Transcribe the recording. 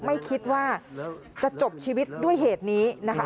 ไม่คิดว่าจะจบชีวิตด้วยเหตุนี้นะคะ